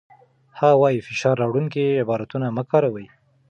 هغه وايي، فشار راوړونکي عبارتونه مه کاروئ.